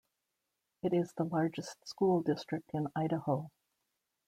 It is the largest school district in Idaho.